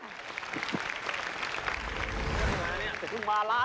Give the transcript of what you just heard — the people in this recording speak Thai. มันมาสายเปล่า